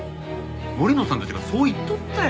森野さんたちがそう言っとったやろ。